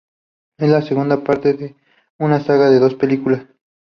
Es la segunda parte de una saga de dos películas.